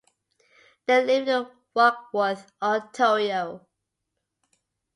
They live in Warkworth, Ontario.